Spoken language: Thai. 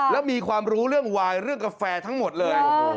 แล้วมีความรู้เรื่องวายเรื่องกาแฟทั้งหมดเลย